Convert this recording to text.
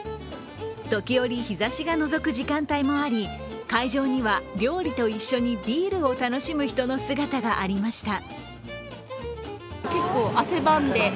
時折、日ざしがのぞく時間帯もあり会場には料理と一緒にビールを楽しむ人の姿がありました。